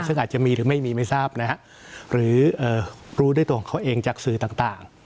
ซึ่งอาจจะมีหรือไม่มีไม่ทราบนะฮะหรือรู้ด้วยตัวของเขาเองจากสื่อต่าง